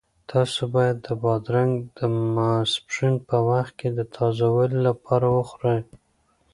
تاسو باید بادرنګ د ماسپښین په وخت کې د تازه والي لپاره وخورئ.